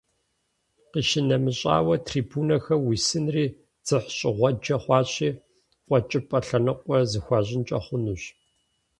КъищынэмыщӀауэ, трибунэхэм уисынри дзыхьщӀыгъуэджэ хъуащи, «КъуэкӀыпӀэ» лъэныкъуэр зэхуащӀынкӀэ хъунущ.